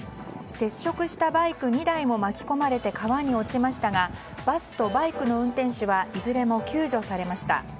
接触したバイク２台も巻き込まれて川に落ちましたがバスとバイクの運転手はいずれも救助されました。